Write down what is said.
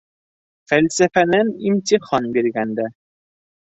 Фәлсәфәнән имтихан биргәндә...